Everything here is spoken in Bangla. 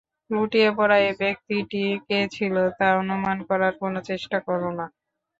লুটিয়ে পড়া এ ব্যক্তিটি কে ছিল, তা অনুমান করার কোন চেষ্টা করো না।